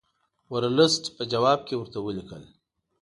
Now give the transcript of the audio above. ورلسټ په جواب کې ورته ولیکل.